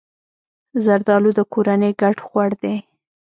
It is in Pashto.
زردالو د کورنۍ ګډ خوړ دی.